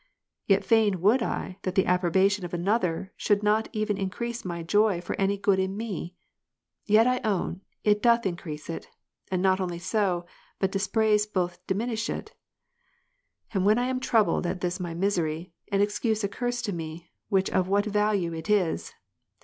Yet fain would I, that the approbation of another should not even increase my joy for any good in me. Yet I own, it doth increase it, and not so only, but dispraise doth diminish it. And when I am troubled at this my misery, an excuse occurs to me, which of what value it is.